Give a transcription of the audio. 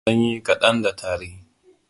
kuma ina da sanyi kaɗan da tari